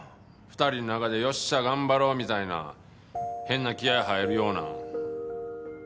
２人の中で「よっしゃ頑張ろう」みたいな変な気合入るような。